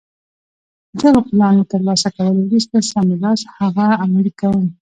د دغه پلان له ترلاسه کولو وروسته سم له لاسه هغه عملي کوم.